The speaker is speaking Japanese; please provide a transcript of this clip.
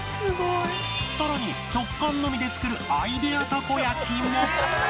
更に直感のみで作るアイデアたこ焼きも